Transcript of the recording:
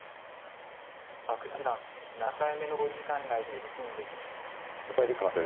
阿久津八段７回目の考慮時間に入りました。